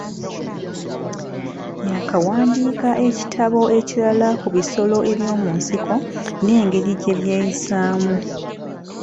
Yaakawandiika ekitabo ekirala ku bisolo eby’omu nsiko n’engeri gye byeyisaamu.